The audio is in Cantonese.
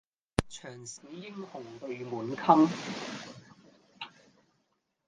長使英雄淚滿襟